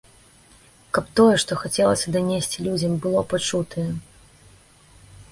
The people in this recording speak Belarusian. Каб тое, што хацелася данесці людзям, было пачутае!